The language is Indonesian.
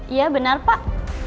iya benar pak